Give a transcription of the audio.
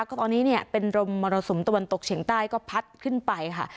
ก็ตอนนี้เนี่ยเป็นลมมรสุมตะวันตกเฉียงใต้ก็พัดขึ้นไปค่ะ